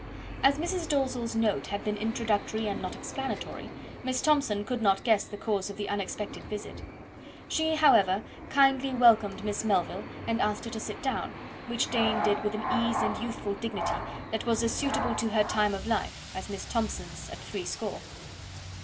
As Mrs. Dalzell's note had been introductory and not explanatory, Miss Thomson could not guess the cause of the unexpected visit. She, however, kindly welcomed Miss Melville, and asked her to sit down, which Jane did with an ease and youthful dignity that was as suitable to her time of life as Miss Thomson's at three score.